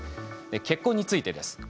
結婚についてです。